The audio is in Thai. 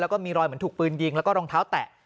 แล้วก็มีรอยเหมือนถูกปืนยิงแล้วก็รองเท้าแตะ